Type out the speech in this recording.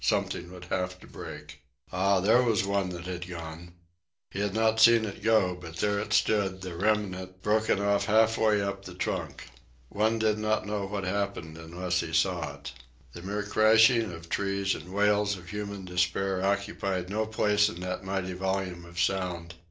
Something would have to break. Ah, there was one that had gone. He had not seen it go, but there it stood, the remnant, broken off half way up the trunk. One did not know what happened unless he saw it. The mere crashing of trees and wails of human despair occupied no place in that mighty volume of sound.